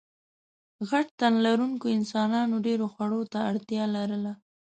غټ تنلرونکو انسانانو ډېرو خوړو ته اړتیا لرله.